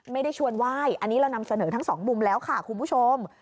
ไม่ได้ชวนไหว้อันนี้เรานำเสนอทั้งสองมุมแล้วค่ะคุณผู้ชม